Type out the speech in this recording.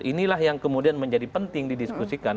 inilah yang kemudian menjadi penting didiskusikan